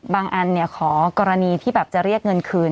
อันขอกรณีที่แบบจะเรียกเงินคืน